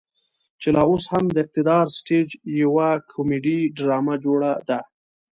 چې لا اوس هم د اقتدار سټيج يوه کميډي ډرامه جوړه ده.